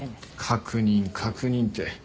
確認確認って。